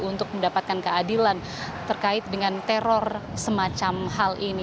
untuk mendapatkan keadilan terkait dengan teror semacam hal ini